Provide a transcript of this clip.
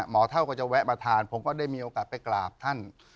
หมอเท่าก็จะแวะมาทานผมก็ได้มีโอกาสไปกราบท่าน